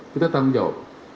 kita tanggung jawab